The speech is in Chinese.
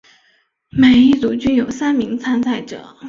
每一组均有三名参赛者。